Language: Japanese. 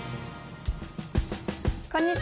こんにちは。